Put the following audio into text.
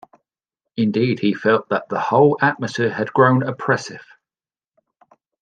Indeed he felt that the whole atmosphere had grown oppressive.